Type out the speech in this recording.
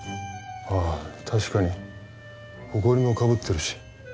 あ確かにほこりもかぶってるし。